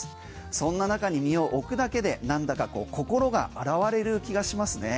そんな中に身を置くだけでなんだか心が洗われる気がしますね。